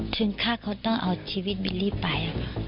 ฆ่าเขาต้องเอาชีวิตบิลลี่ไป